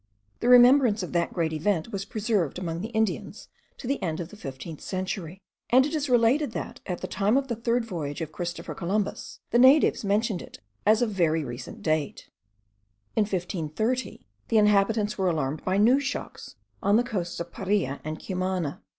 The remembrance of that great event was preserved among the Indians to the end of the fifteenth century; and it is related that, at the time of the third voyage of Christopher Columbus, the natives mentioned it as of very recent date. In 1530, the inhabitants were alarmed by new shocks on the coasts of Paria and Cumana.